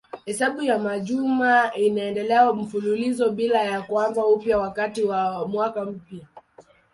Hesabu ya majuma inaendelea mfululizo bila ya kuanza upya wakati wa mwaka mpya.